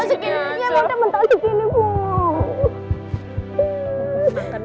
gak perlu sama ibu